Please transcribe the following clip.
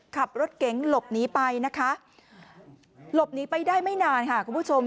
ขับรถเก๋งหลบหนีไปนะคะหลบหนีไปได้ไม่นานค่ะคุณผู้ชม